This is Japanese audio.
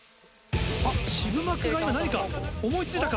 あっ渋幕が今何か思い付いたか？